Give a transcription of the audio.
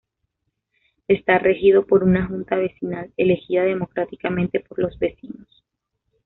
Está regido por una Junta Vecinal elegida democráticamente por los vecinos.